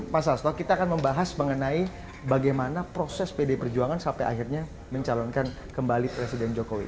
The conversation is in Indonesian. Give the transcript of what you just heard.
mas hasto kita akan membahas mengenai bagaimana proses pdi perjuangan sampai akhirnya mencalonkan kembali presiden jokowi